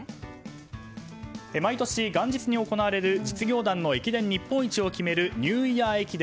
毎年、元日に行われる実業団の駅伝日本一を決めるニューイヤー駅伝。